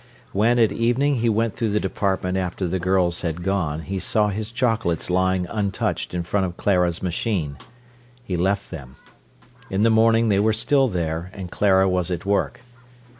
When at evening he went through the department after the girls had gone, he saw his chocolates lying untouched in front of Clara's machine. He left them. In the morning they were still there, and Clara was at work.